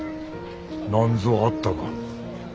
なんぞあったか？